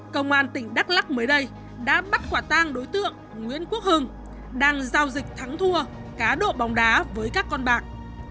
công an tỉnh đắk lắc mới đây đã bắt quả tang đối tượng nguyễn quốc hưng đang giao dịch thắng thua cá độ bóng đá với các con bạc